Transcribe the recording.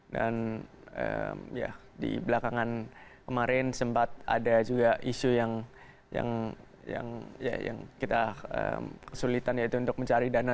dan di belakangan kemarin sempat ada juga isu yang kita kesulitan yaitu untuk mencari dana